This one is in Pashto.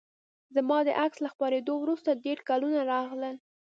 زما د عکس له خپریدو وروسته ډیر لیکونه راغلل